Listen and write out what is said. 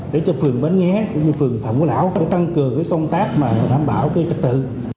để cho phường bến nghé cũng như phường phạm quốc lão tăng cường công tác và đảm bảo trực tự